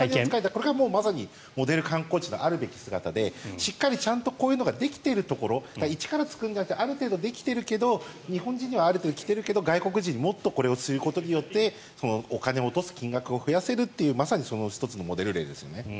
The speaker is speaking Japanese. これがまさにモデル観光地のあるべき姿でしっかりちゃんとこういうのができているところ一から作るんじゃなくてある程度できているけど日本人はある程度来てるけど外国人にもっとこれをすることによってお金を落とす金額を増やせるというまさにその１つのモデル例ですよね。